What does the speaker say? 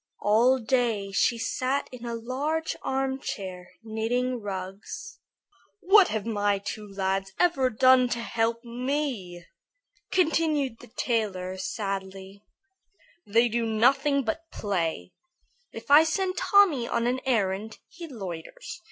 All day she sat in a large armchair knitting rugs. "What have my two lads ever done to help me?" continued the tailor, sadly. "They do nothing but play. If I send Tommy on an errand, he loiters.